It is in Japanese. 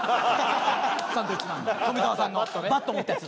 サンドウィッチマンの富澤さんのバット持ったやつ。